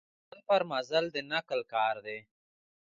مزل پر مزل د نقل کار دی.